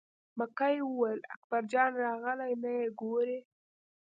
مکۍ وویل: اکبر جان راغلی نه یې ګورې.